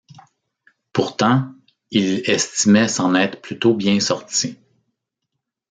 Pourtant, il estimait s’en être plutôt bien sorti.